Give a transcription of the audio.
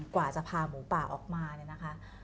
กว่าจะพาหมูป่าออกมาเนี่ยนะคะ